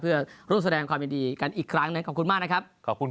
เพื่อร่วมแสดงความยินดีกันอีกครั้งหนึ่งขอบคุณมากนะครับขอบคุณ